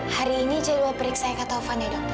hari ini jadwal periksaan kata ufannya dokter